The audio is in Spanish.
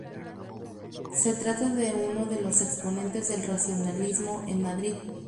Se trata de uno de los exponentes del racionalismo en Madrid.